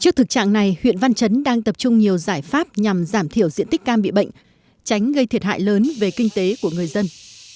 trước thực trạng này huyện văn chấn đang tập trung nhiều giải pháp nhằm giảm thiểu diện tích cam bị bệnh tránh gây thiệt hại lớn về kinh tế của người dân